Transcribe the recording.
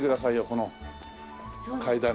この階段が。